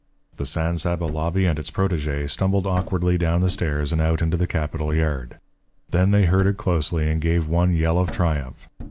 The San Saba lobby and its protégé stumbled awkwardly down the stairs and out into the Capitol yard. Then they herded closely and gave one yell of triumph.